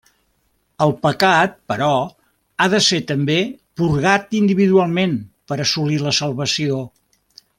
El pecat, però, ha de ser també purgat individualment per assolir la salvació.